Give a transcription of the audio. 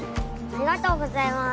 ありがとうございます。